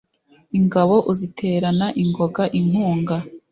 Ingabo uziterana ingoga inkunga